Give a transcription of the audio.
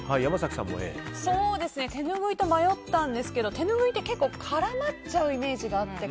手ぬぐいと迷ったんですけど手ぬぐいって結構絡まっちゃうイメージがあって。